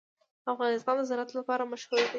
افغانستان د زراعت لپاره مشهور دی.